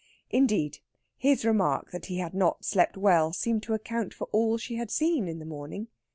Indeed, his remark that he had not slept well seemed to account for all she had seen in the morning.